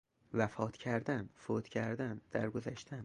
وفات کردن ـ فوت کردن ـ در گذشتن